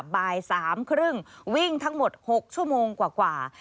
บ่าย๓๓๐วิ่งทั้งหมด๖ชั่วโมงกว่า